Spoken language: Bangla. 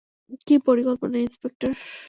কী পরিকল্পনা, ইন্সপেক্টর?